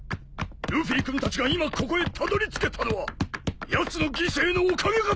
ルフィ君たちが今ここへたどりつけたのはやつの犠牲のおかげかと。